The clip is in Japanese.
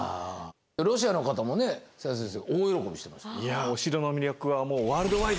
ロシアの方もね千田先生大喜びしてました。